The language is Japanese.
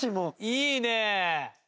いいね。